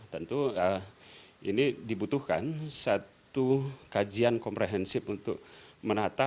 tentu ini dibutuhkan satu kajian komprehensif untuk menata